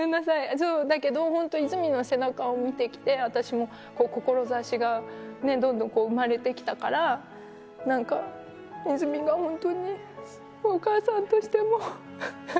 そうだけどホント泉の背中を見て来て私も志がどんどんこう生まれて来たから何か泉がホントにお母さんとしても。